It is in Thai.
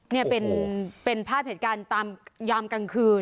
นี่เป็นภาพเหตุการณ์ตามยามกลางคืน